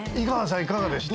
いかがでした？